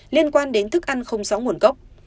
liên quan đến thức ăn không sóng nguồn gốc